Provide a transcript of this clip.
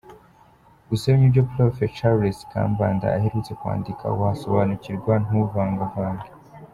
Usomye ibyo Prof. Charles Kambanda aherutse kwandika wasobanukirwa ntuvangavange.